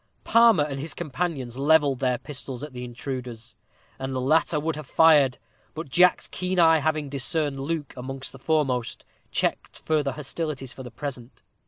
Palmer and his companions levelled their pistols at the intruders, and the latter would have fired, but Jack's keen eye having discerned Luke amongst the foremost, checked further hostilities for the present.